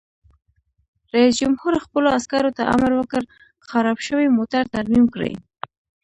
رئیس جمهور خپلو عسکرو ته امر وکړ؛ خراب شوي موټر ترمیم کړئ!